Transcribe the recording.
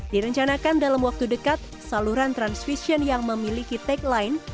direncanakan dalam waktu dekat saluran transvision yang memiliki tagline